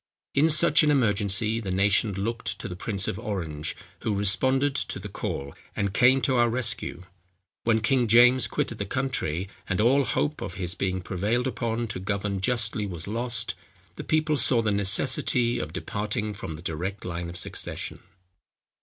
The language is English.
In such an emergency the nation looked to the prince of Orange, who responded to the call, and came to our rescue. When King James quitted the country, and all hope of his being prevailed upon to govern justly was lost, the people saw the necessity of departing from the direct line of succession.